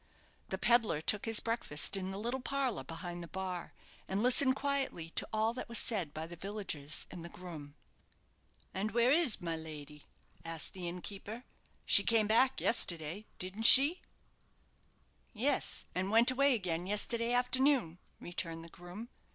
The pedlar took his breakfast in the little parlour behind the bar, and listened quietly to all that was said by the villagers and the groom. "And where is my lady?" asked the innkeeper; "she came back yesterday, didn't she?" "Yes, and went away again yesterday afternoon," returned the groom.